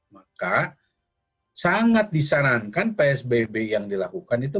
maka sangat disarankan psbb yang dilakukan itu